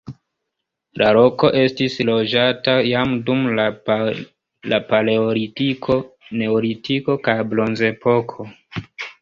La loko estis loĝata jam dum la paleolitiko, neolitiko kaj bronzepoko.